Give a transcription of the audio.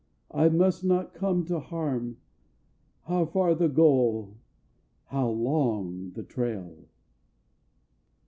I must not come to harm How far the goal! How long the trail!